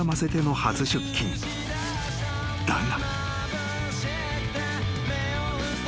［だが］